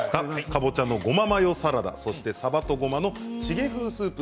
かぼちゃのごまマヨサラダそしてさばとごまのチゲ風スープ